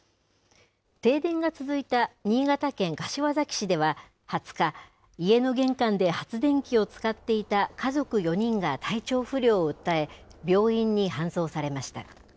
停電が続いた新潟県柏崎市では２０日、家の玄関で発電機を使っていた家族４人が体調不良を訴え、病院に搬送されました。